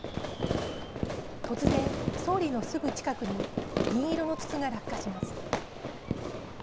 突然、総理のすぐ近くに銀色の筒が落下します。